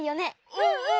うんうん！